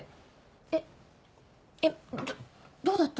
えっどどうだった？